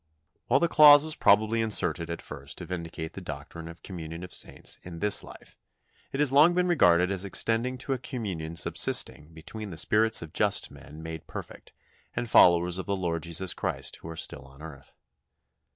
" While the clause was probably inserted at first to vindicate the doctrine of communion of saints in this life, it has long been regarded as extending to a communion subsisting between the spirits of just men made perfect and followers of the Lord Jesus Christ who are still on earth.